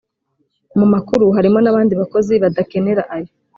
mu makuru harimo n abandi bakozi badakenera ayo